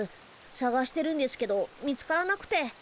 さがしてるんですけど見つからなくて。